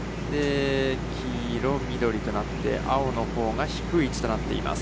黄色、緑となって、青のほうが低い位置となっています。